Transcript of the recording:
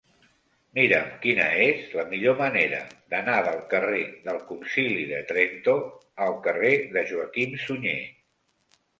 Mira'm quina és la millor manera d'anar del carrer del Concili de Trento al carrer de Joaquim Sunyer.